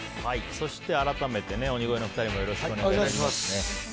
そして、改めて鬼越の２人もよろしくお願いしますね。